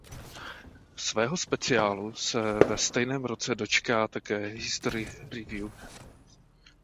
Svého speciálu se ve stejném roce dočká také History revue.